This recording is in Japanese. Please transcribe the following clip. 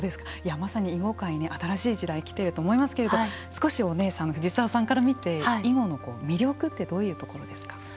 まさに囲碁界に新しい時代来ていると思いますけれど少しおねえさんの藤沢さんから見て囲碁の魅力ってどういうところですか。